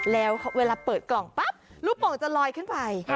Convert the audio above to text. แล้วเวลาเปิดกล่องปั๊บลูกโป่งจะลอยขึ้นไป